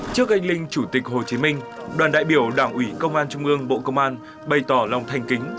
trước anh linh chủ tịch hồ chí minh đoàn đại biểu đảng ủy công an trung ương bộ công an bày tỏ lòng thanh kính